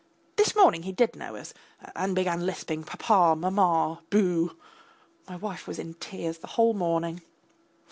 This morning he did know us, and began lisping papa, mamma, boo.... My wife was in tears the whole morning.